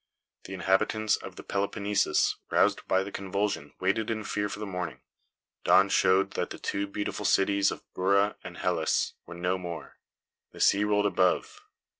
The inhabitants of the Peloponnesus, roused by the convulsion, waited in fear for the morning. Dawn showed that the two beautiful cities of Bura and Helice were no more. The sea rolled above.